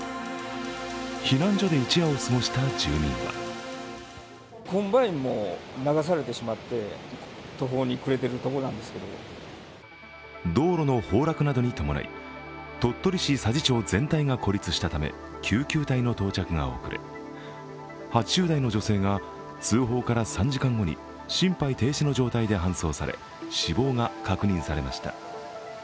避難所で一夜を過ごした住民は道路の崩落などに伴い鳥取市佐治町全体が孤立したため救急隊の到着が遅れ、８０代の女性が通報から３時間後に心肺停止の状態で搬送され、死亡が確認されました。